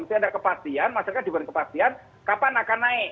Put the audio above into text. itu ada kepastian masyarakat diberi kepastian kapan akan naik